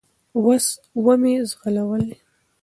و مي ځغلوی .